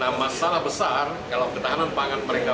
nah masalah besar kalau ketahanan pangan mereka